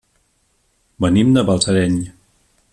Venim de Balsareny.